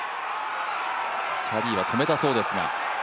キャディーは止めたそうですが。